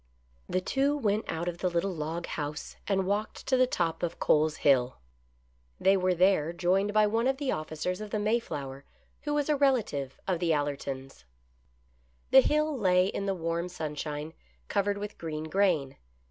The two went out of the little log house and walked to the top of Cole's Hill. They were there joined by THE pilgrims' EASTER LILY. 107 one of the officers of the Mayflower^ who was a relative of the Allertons. The Hill lay in the warm sunshine, covered with green grain.